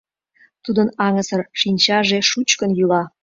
Тудын аҥысыр шинчаже шучкын йӱла.